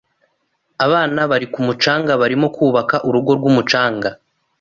Abana bari ku mucanga barimo kubaka urugo rwumucanga.